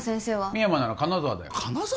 深山なら金沢だよ金沢！？